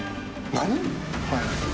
何！？